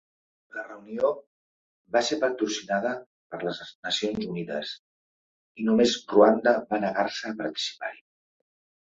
La reunió va ser patrocinada per les Nacions Unides i només Ruanda va negar-se a participar-hi.